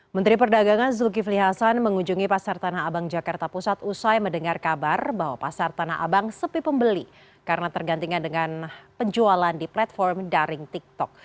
menteri perdagangan zulkifli hasan mengunjungi pasar tanah abang jakarta pusat usai mendengar kabar bahwa pasar tanah abang sepi pembeli karena tergantingan dengan penjualan di platform daring tiktok